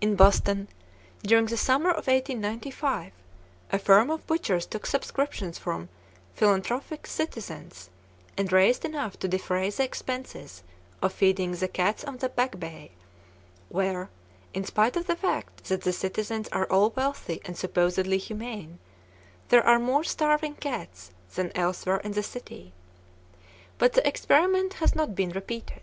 In Boston, during the summer of 1895, a firm of butchers took subscriptions from philanthropic citizens, and raised enough to defray the expenses of feeding the cats on the Back Bay, where, in spite of the fact that the citizens are all wealthy and supposedly humane, there are more starving cats than elsewhere in the city. But the experiment has not been repeated.